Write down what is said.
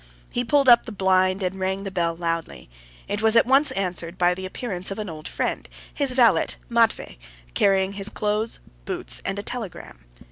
He pulled up the blind and rang the bell loudly. It was at once answered by the appearance of an old friend, his valet, Matvey, carrying his clothes, his boots, and a telegram.